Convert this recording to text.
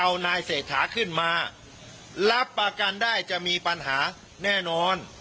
เอานายเศรษฐาขึ้นมารับประกันได้จะมีปัญหาแน่นอน